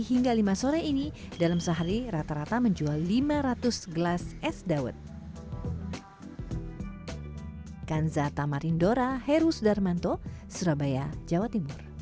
hingga lima sore ini dalam sehari rata rata menjual lima ratus gelas es dawet